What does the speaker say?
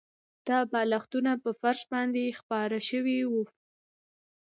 دا بالښتونه په فرش باندې خپاره شوي وو